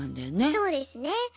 そうですね。